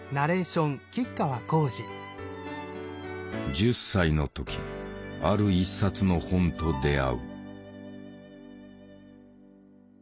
１０歳の時ある一冊の本と出会う。